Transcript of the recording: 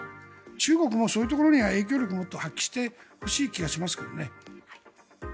中国もそういうところには影響力をもっと発揮してほしい気がしますけどね。